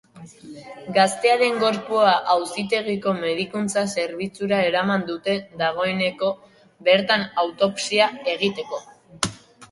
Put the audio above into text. Gaztearen gorpua auzitegiko medikuntza zerbitzura eraman dute dagoeneko, bertan autopsia egiteko.